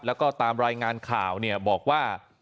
แล้วก็ตามรายงานข่าวเนี่ยบอกว่า